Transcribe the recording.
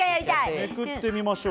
めくっていきましょう。